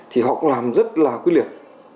thì họ cũng làm rất là quy liệt